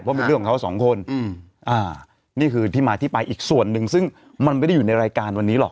เพราะเป็นเรื่องของเขาสองคนนี่คือที่มาที่ไปอีกส่วนหนึ่งซึ่งมันไม่ได้อยู่ในรายการวันนี้หรอก